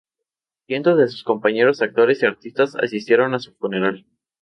Cientos de sus compañeros actores y artistas asistieron a su funeral.